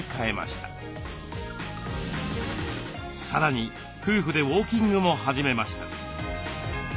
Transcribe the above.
さらに夫婦でウォーキングも始めました。